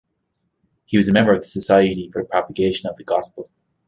He was a member of the Society for the Propagation of the Gospel.